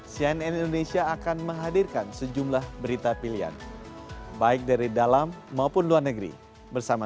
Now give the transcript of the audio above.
cnn indonesia akan menghadirkan sejumlah berita pilihan baik dari dalam maupun luar negeri bersama